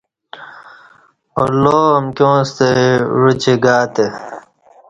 اللہ امکیاں ستہ عوچ گاتہ